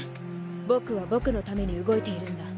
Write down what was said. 僕は僕のために動いているんだ。